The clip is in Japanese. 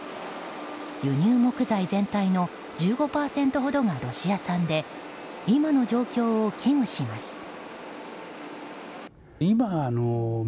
輸入木材全体の１５％ほどがロシア産で今の状況を危惧します。